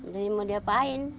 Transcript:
jadi mau diapain